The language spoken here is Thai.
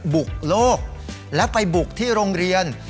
บุกโลกและไปบุกที่โรงเรียน